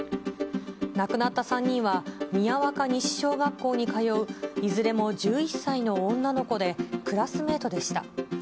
亡くなった３人は宮若西小学校に通ういずれも１１歳の女の子で、クラスメートでした。